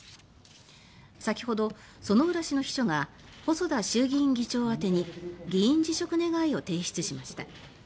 先ほど、薗浦氏の秘書が細田衆議院議長宛てに議員辞職願を提出しました。